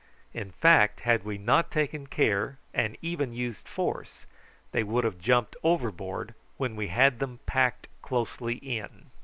In fact had we not taken care, and even used force, they would have jumped overboard when we had them packed closely in.